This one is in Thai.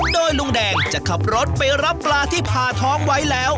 โดยลุงแดงจะขับรถไปรับปลาที่ผ่าท้องไว้แล้ว